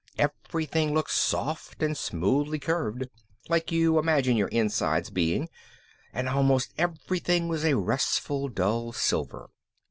Everything looked soft and smoothly curved, like you imagine your insides being, and almost everything was a restfully dull silver.